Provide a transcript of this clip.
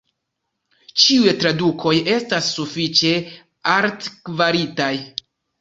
Ĉiuj tradukoj estas sufiĉe altkvalitaj.